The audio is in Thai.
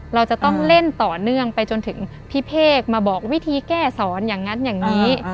เราจะต้องเล่นต่อเนื่องไปจนถึงพี่เพศมาบอกวิธีแก้สอนอย่างนั้นอย่างนี้